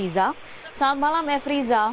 selamat malam efri zal